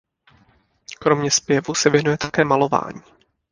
Kromě zpěvu se věnuje také malování.